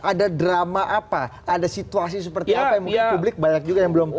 ada drama apa ada situasi seperti apa yang mungkin publik banyak juga yang belum tahu